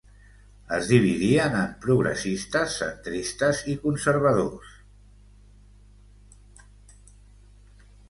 Es dividien en progressistes, centristes i conservadors.